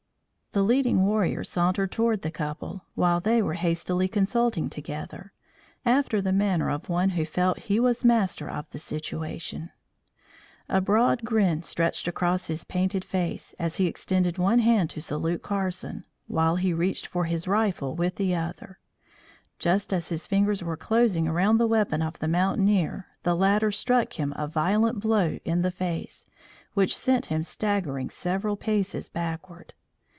The leading warrior sauntered toward the couple, while they were hastily consulting together, after the manner of one who felt he was master of the situation. A broad grin stretched across his painted face, as he extended one hand to salute Carson, while he reached for his rifle with the other. Just as his fingers were closing around the weapon of the mountaineer, the latter struck him a violent blow in the face, which sent him staggering several paces backward.